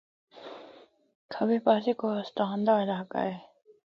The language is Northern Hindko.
کَھبے پاسے کوہستان دا علاقہ اے۔